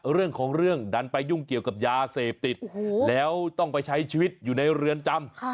เรื่องของเรื่องดันไปยุ่งเกี่ยวกับยาเสพติดแล้วต้องไปใช้ชีวิตอยู่ในเรือนจำ